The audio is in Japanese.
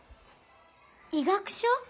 医学書？